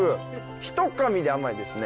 ひとかみで甘いですね。